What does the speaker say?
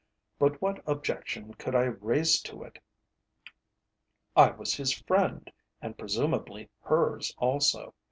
But what objection could I raise to it? I was his friend, and presumably hers also.